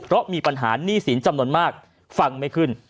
เพราะมีปัญหาหนี้สินจำนวนมากฟังไม่ขึ้น